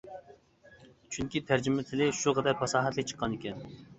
چۈنكى تەرجىمە تىلى شۇ قەدەر پاساھەتلىك چىققانىكەن.